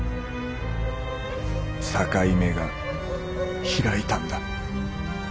「境目」がひらいたんだ。